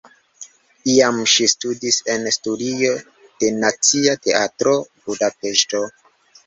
Iam ŝi studis en studio de Nacia Teatro (Budapeŝto).